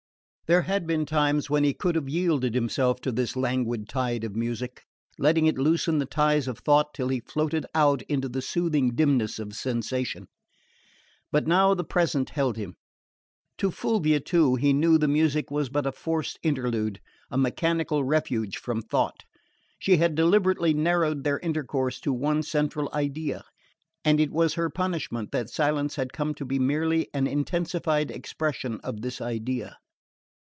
There had been times when he could have yielded himself to this languid tide of music, letting it loosen the ties of thought till he floated out into the soothing dimness of sensation; but now the present held him. To Fulvia, too, he knew the music was but a forced interlude, a mechanical refuge from thought. She had deliberately narrowed their intercourse to one central idea; and it was her punishment that silence had come to be merely an intensified expression of this idea.